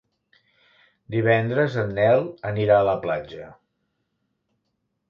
Divendres en Nel anirà a la platja.